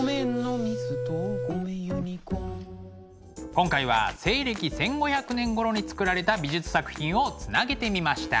今回は西暦１５００年ごろにつくられた美術作品をつなげてみました。